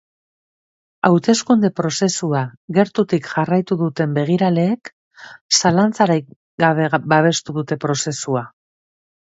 Hauteskunde prozesua gertutik jarraitu duten begiraleek zalantzarik gabe babestu dute prozesua.